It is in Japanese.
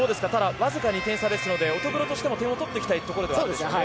わずか２点差ですので乙黒としても点を取っていきたいところですね。